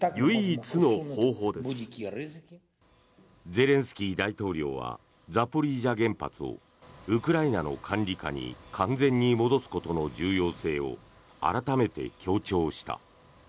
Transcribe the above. ゼレンスキー大統領はザポリージャ原発をウクライナの管理下に完全に戻すことの重要性を改めて強調した。